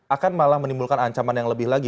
akan malah menimbulkan ancaman yang lebih lagi